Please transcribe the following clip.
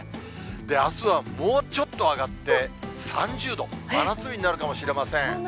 あすはもうちょっと上がって３０度、真夏日になるかもしれません。